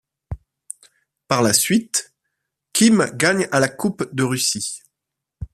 Par la suite, Kim gagne à la Coupe de Russie.